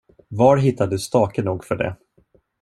Var hittade du stake nog för det?